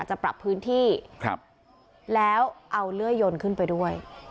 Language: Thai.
จะปรับพื้นที่แล้วเอาเลื่อยยนขึ้นไปด้วย